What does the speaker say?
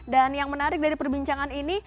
dan yang menarik dari perbincangan ini